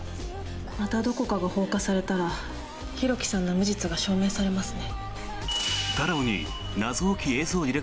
またどこかが放火されたら浩喜さんの無実が証明されますね。